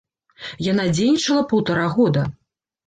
Яна дзейнічала паўтара года.